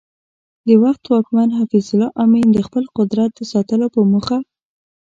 د وخت واکمن حفیظ الله امین د خپل قدرت د ساتلو په موخه